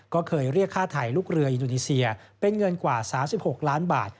ก็เคยเรียกค่าไทยลูกเรืออินโดนีเซียเป็นเงินกว่า๓๖ล้านบาท